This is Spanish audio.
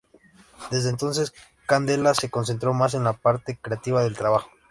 Desde entonces Candela se concentró más en la parte creativa del trabajo.